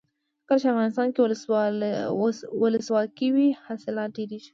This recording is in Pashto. کله چې افغانستان کې ولسواکي وي حاصلات ډیریږي.